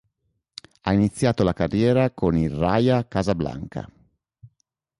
Ha iniziato la carriera con il Raja Casablanca.